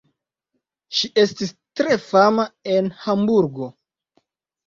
Ŝi estis tre fama en Hamburgo.